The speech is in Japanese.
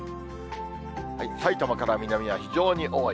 さいたまから南は非常に多い。